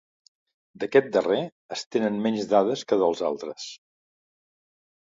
D'aquest darrer es tenen menys dades que dels altres.